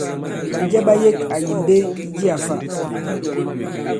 Ɓànjɛ ɓa yek àyì mbe i jiā fa?